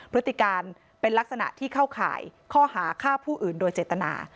พฤติการเป็นลักษณะที่เข้าข่ายข้อหาฆ่าผู้อื่นโดยเจตนา